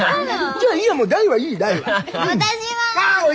じゃあいいや！